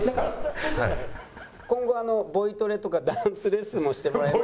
「今後ボイトレとかダンスレッスンもしてもらいます」。